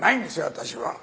私は。